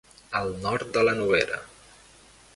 Al nord de la Noguera.